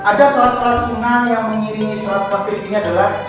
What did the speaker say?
ada sholat sholat sunnah yang mengiringi sholat paktir ini adalah